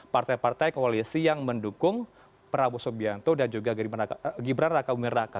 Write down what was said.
partai partai koalisi yang mendukung prabowo subianto dan juga gibran raka bumi raka